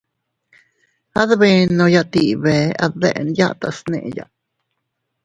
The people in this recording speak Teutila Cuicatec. Adbenoya tii bee a deʼen yatas neʼeya.